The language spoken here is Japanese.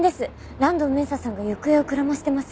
蘭堂明紗さんが行方をくらましてます。